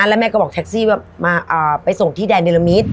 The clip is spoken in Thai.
แล้วแม่ก็บอกแท็กซี่ว่าไปส่งที่แดนเดลมิตร